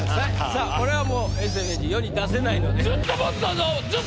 さあこれはもう永世名人世に出せないので。